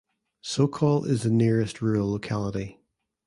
Sokol is the nearest rural locality.